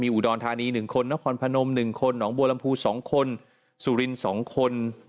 อุดรธานี๑คนนครพนม๑คนหนองบัวลำพู๒คนสุรินทร์๒คน